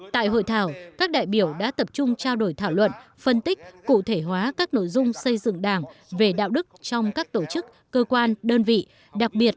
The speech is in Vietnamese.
tại hội thảo các đại biểu đã tập trung trao đổi thảo luận phân tích cụ thể hóa các nội dung xây dựng đảng về đạo đức trong các tổ chức cơ quan đơn vị